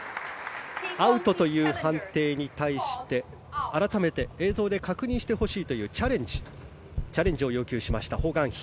アウトという判定に対して改めて映像で確認してほしいというチャレンジを要求しましたホ・グァンヒ。